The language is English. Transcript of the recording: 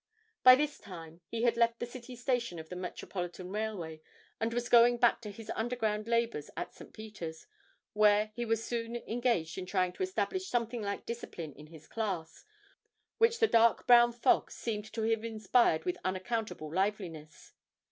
By this time he had left the City station of the Metropolitan Railway, and was going back to his underground labours at St. Peter's, where he was soon engaged in trying to establish something like discipline in his class, which the dark brown fog seemed to have inspired with unaccountable liveliness.